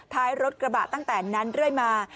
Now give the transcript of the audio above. ท้ายรถกระบะตั้งแต่นั้นเรื่อยมา